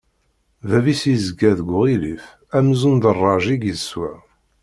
Bab-is yezga deg uɣilif, amzun d rraǧ i yeswa.